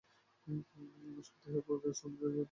সপ্তাহে প্রতি শনি ও মঙ্গলবার দুদিন হাট বসে।